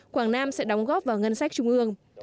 quảng nam sẽ đóng góp vào ngân sách trung ương